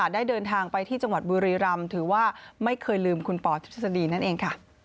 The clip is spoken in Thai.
ได้เดินทางไปที่จังหวัดบุรีรำถือว่าไม่เคยลืมคุณปอทฤษฎีนั่นเองค่ะ